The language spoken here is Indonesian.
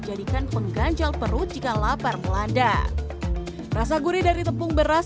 sebagai minuman yang terkenal di jalan sunia raja kota bandung ini dibanderol seharga mulai dari dua belas rupiah per porsi